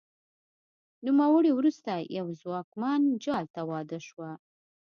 نوموړې وروسته یوه ځواکمن جال ته واده شوه